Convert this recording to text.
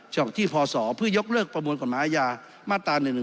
จากที่พศพยประมวลกฎหมายามาตรา๑๑๒